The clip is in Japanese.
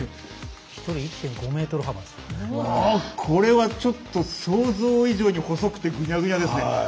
これはちょっと想像以上に細くてぐにゃぐにゃですね。